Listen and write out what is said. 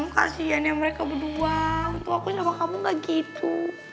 kasian yang mereka berdua untuk akuin sama kamu gak gitu